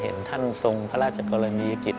เห็นท่านทรงพระราชกรณียกิจ